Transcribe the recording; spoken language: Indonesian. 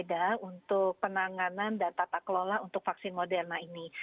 ada sedikit perbedaan untuk penanganan dan tata kelola untuk vaksin moderna ini